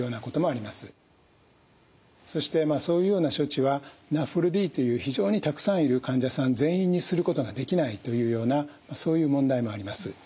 そしてそういうような処置はＮＡＦＬＤという非常にたくさんいる患者さん全員にすることができないというようなそういう問題もあります。